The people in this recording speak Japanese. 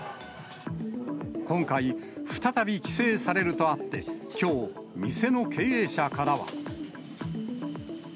今回、再び規制されるとあって、きょう、店の経営者からは。